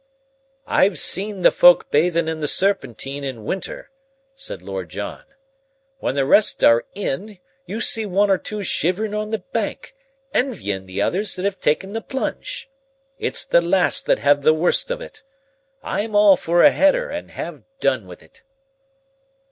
"I've seen the folk bathin' in the Serpentine in winter," said Lord John. "When the rest are in, you see one or two shiverin' on the bank, envyin' the others that have taken the plunge. It's the last that have the worst of it. I'm all for a header and have done with it."